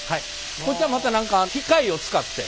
こっちはまた何か機械を使って。